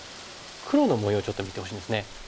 黒の模様をちょっと見てほしいんですね。